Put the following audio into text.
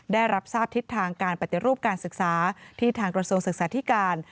ได้รับทราบทิศทางการปฏิรูปการศึกษาที่ทางกระทรวงศึกษาธิการ